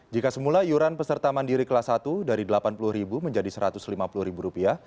jika semula iuran peserta mandiri kelas satu dari rp delapan puluh menjadi rp satu ratus lima puluh